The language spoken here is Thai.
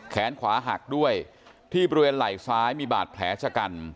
แขนขวาหักด้วยที่บริเวณไหล่ซ้ายมีบาดแผลชะกัน